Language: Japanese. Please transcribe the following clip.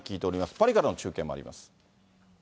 パリからの中継もあります。